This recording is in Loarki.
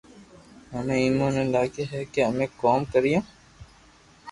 ھمي ايمون ني لاگي ھي ڪي امي ڪوم ڪريو